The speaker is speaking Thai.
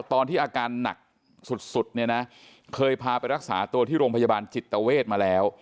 ตอนที่อาการหนักสุดเนี่ยนะเคยพาไปรักษาตัวที่โรงพยาบาลจิตเวทมาแล้ว